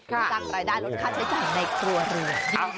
สร้างรายได้แล้วค่าใช้จ่ายในอีกตัวหรือ